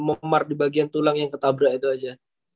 memar di bagian tulang yang ketabrak itu aja